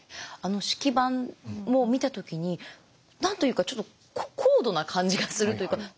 あの式盤もう見た時に何と言うかちょっと高度な感じがするというか。